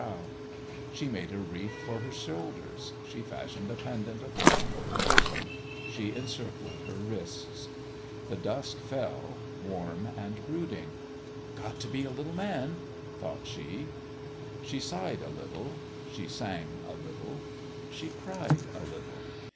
SOWN IN DISHONOUR 57 She made a wreath for her shoulders, she fash ioned a pendant of white for her bosom, she en circled her wrists. The dusk fell warm and brooding. " I got t' be a little man !" thought she. She sighed a little she sang a little she cried a little.